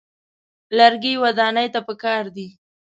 لرګي ودانۍ ته پکار دي.